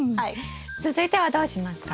続いてはどうしますか？